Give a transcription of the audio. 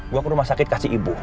gue ke rumah sakit kasih ibu